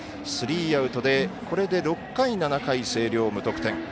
スリーアウトでこれで６回、７回星稜、無得点。